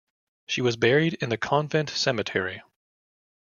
She was buried in the convent cemetery.